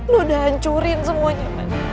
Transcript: lo udah hancurin semuanya